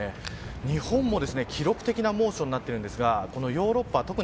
日本でも記録的な猛暑になっているんですがこのヨーロッパ